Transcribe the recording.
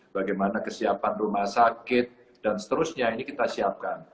bagaimana kesiapan rumah sakit dan seterusnya ini kita siapkan